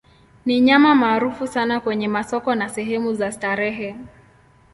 Ni nyama maarufu sana kwenye masoko na sehemu za starehe.